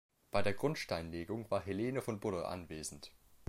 Bei der Grundsteinlegung war Helene von Budde anwesend.